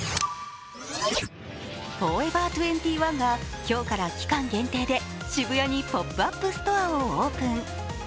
フォーエバー２１が今日から期間限定で渋谷にポップアップストアをオープン。